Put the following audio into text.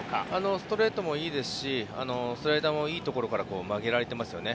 ストレートもいいですしスライダーもいいところから曲げられてますよね。